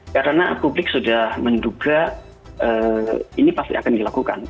karena publik sudah menduga ini pasti akan dilakukan